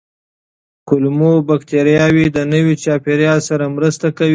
کولمو بکتریاوې د نوي چاپېریال سره مرسته کوي.